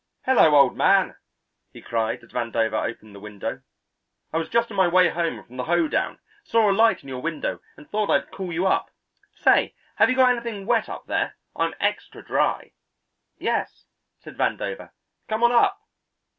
"Hello, old man!" he cried as Vandover opened the window. "I was just on my way home from the hoe down; saw a light in your window and thought I'd call you up. Say, have you got anything wet up there? I'm extra dry." "Yes," said Vandover, "come on up!"